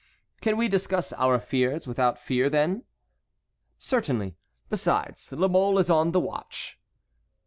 "Can we discuss our affairs without fear, then?" "Certainly. Besides, La Mole is on the watch."